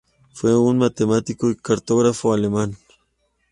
Fue un matemático y cartógrafo alemán.